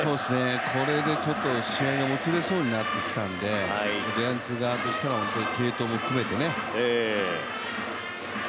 これでちょっと試合がもつれそうになってきたんで、ジャイアンツ側としての継投も含めてね。